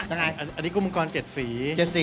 อันนี้กุมกรเก็ดสี